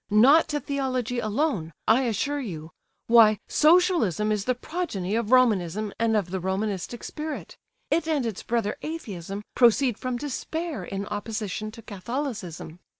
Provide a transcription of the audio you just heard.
Not to theology alone, I assure you! Why, Socialism is the progeny of Romanism and of the Romanistic spirit. It and its brother Atheism proceed from Despair in opposition to Catholicism.